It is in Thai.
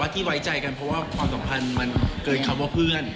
ที่ไว้ใจกันเพราะว่าความสัมพันธ์มันเกินคำว่าเพื่อน